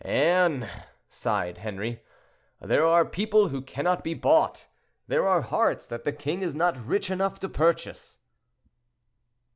"Anne!" sighed Henri, "there are people who cannot be bought; there are hearts that the king is not rich enough to purchase."